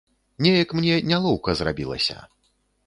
Неяк мне нялоўка зрабілася.